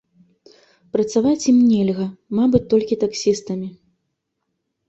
Працаваць ім нельга, мабыць, толькі таксістамі.